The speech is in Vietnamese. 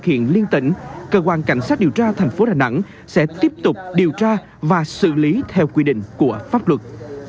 hiện liên tỉnh cơ quan cảnh sát điều tra thành phố đà nẵng sẽ tiếp tục điều tra và xử lý theo quy định của pháp luật